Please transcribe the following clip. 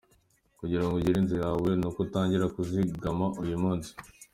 Kugira ngo ugire inzu yawe, ni uko utangira kuzigama uyu munsi.